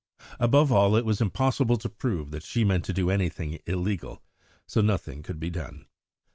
Above all, it was impossible to prove that she meant to do anything illegal. So nothing could be done.